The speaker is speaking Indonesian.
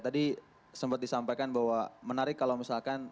tadi sempat disampaikan bahwa menarik kalau misalkan